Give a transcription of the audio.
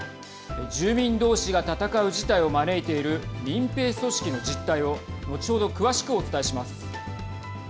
住民どうしが戦う事態を招いている民兵組織の実態を後ほど詳しくお伝えします。